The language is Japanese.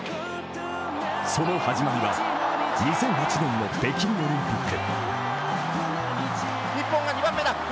その始まりは２００８年の北京オリンピック。